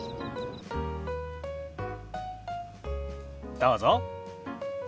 どうぞ。